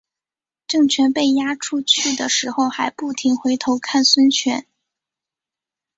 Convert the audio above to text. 郑泉被押出去的时候还不停回头看孙权。